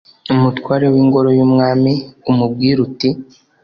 umutware w’ingoro y’umwami, umubwire uti